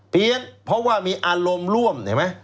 เพราะว่ามีอารมณ์ร่วมเห็นไหม